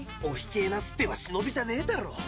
「おひけえなすって」はしのびじゃねえだろ。